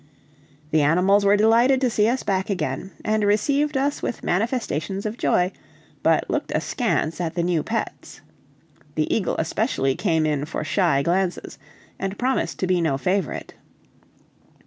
The animals were delighted to see us back again, and received us with manifestations of joy, but looked askance at the new pets. The eagle especially came in for shy glances, and promised to be no favorite.